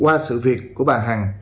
qua sự việc của bà hằng